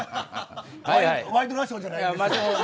ワイドナショーじゃないです。